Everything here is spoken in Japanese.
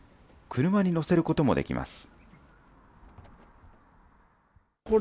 車に載せることもできます。